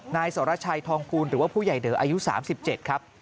นายสรชัยทองกูลหรือว่าผู้ใหญ่เดออายุ๓๗ครับ